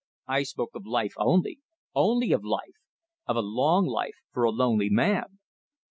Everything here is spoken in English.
I spoke of life only. Only of life. Of a long life for a lonely man!"